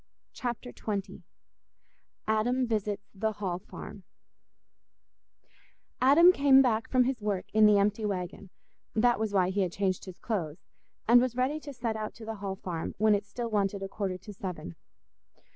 Chapter XX Adam Visits the Hall Farm Adam came back from his work in the empty waggon—that was why he had changed his clothes—and was ready to set out to the Hall Farm when it still wanted a quarter to seven.